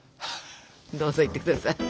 どうぞいってください。